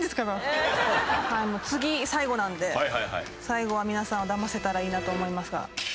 次最後なので最後は皆さんをだませたらいいなと思いますが。